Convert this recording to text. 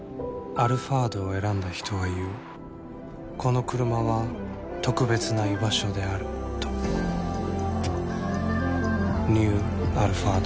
「アルファード」を選んだ人は言うこのクルマは特別な居場所であるとニュー「アルファード」